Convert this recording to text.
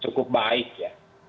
cukup baik ya